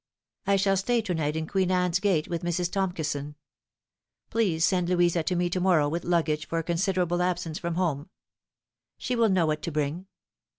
"I shall stay to night in Queen Anne's Gate with Mrs. Tomkison. Please send Louisa to me to morrow with luggage for a considerable absence from home. She will know what to bring.